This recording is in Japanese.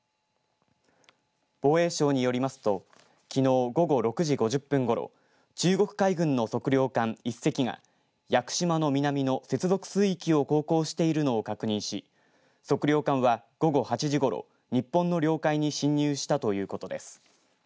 防衛省によりますときのう午後６時５０分ごろ中国海軍の測量艦１隻が屋久島の南の接続水域を航行しているのを確認し測量艦は午後８時ごろ日本の領海に侵入したということです。